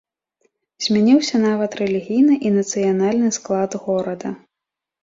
Змяніўся нават рэлігійны і нацыянальны склад горада.